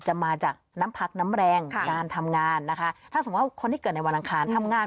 มาจากน้ำพักน้ำแรงงานทำงานนะคะถ้าสมมุติว่าคนที่เกิดในวันอังคารทำงาน